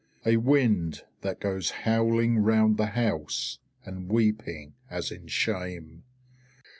A wind that goes howling round the house, and weeping as in shame.